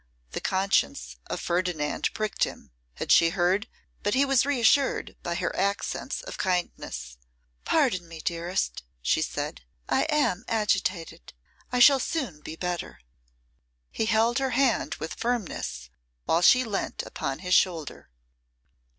The conscience of Ferdinand pricked him. Had she heard But he was reassured by her accents of kindness. 'Pardon me, dearest,' she said; 'I am agitated; I shall soon be better.' He held her hand with firmness while she leant upon his shoulder.